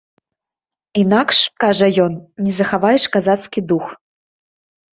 Інакш, кажа ён, не захаваеш казацкі дух.